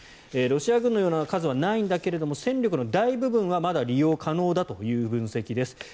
ロシア軍のような数はないんだけども戦力の大部分はまだ利用可能だという分析です。